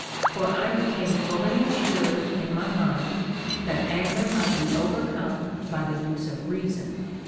For I became fully assured in my mind, that anger might be overcome by the use of reason.